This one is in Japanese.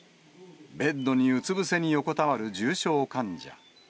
ベッドにうつ伏せに横たわる重症患者。